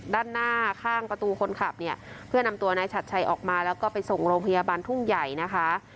ด้านหน้าข้างประตูคนขับเนี่ยเพื่อนำตัวนายฉัดชัยออกมาแล้วก็ไปส่งโรงพยาบาลทุ่งใหญ่นะคะ